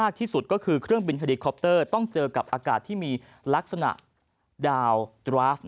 ที่สุดก็คือเครื่องบินเฮลิคอปเตอร์ต้องเจอกับอากาศที่มีลักษณะดาวดราฟ